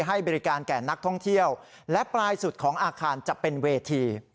ให้บริการแก่นักท่องเที่ยวและปลายสุดของอาคารจะเป็นเวที